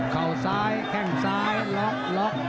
เข้าซ้ายแข่งซ้ายล็อก